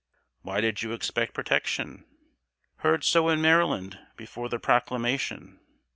"Why did you expect protection?" "Heard so in Maryland, before the Proclamation."